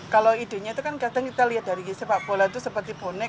kalau idenya itu kan kadang kita lihat dari sepak bola itu seperti bonek